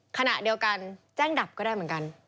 ขณะเดียวกันแจ้งดับก็ได้เหมือนกัน